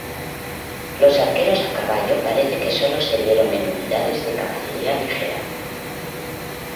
Los arqueros a caballo parece que sólo se dieron en unidades de caballería ligera.